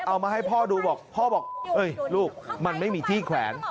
เอามาให้พ่อดูบอกพ่อบอกลูกมันไม่มีที่แขวน